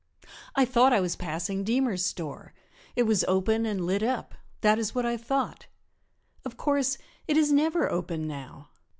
I thought I was passing Deemer's store; it was open and lit up that is what I thought; of course it is never open now.